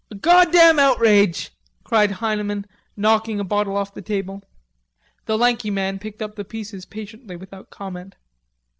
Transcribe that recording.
"A goddam outrage!" cried Heineman, knocking a bottle off the table. The lanky man picked up the pieces patiently, without comment.